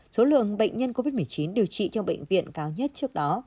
số lượng bệnh nhân covid một mươi chín điều trị trong bệnh viện cao nhất trước đó